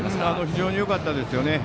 非常によかったですね。